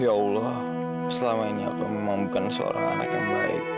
ya allah selama ini aku memang bukan seorang anak yang baik